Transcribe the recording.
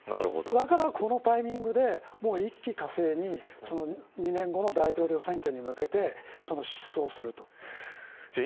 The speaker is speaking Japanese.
だからこのタイミングで一気苛性に２年後の大統領選挙に向けて出馬するということですね。